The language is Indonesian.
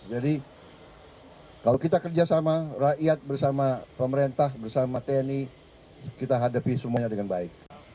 jadi kalau kita kerjasama rakyat bersama pemerintah bersama tni kita hadapi semuanya dengan baik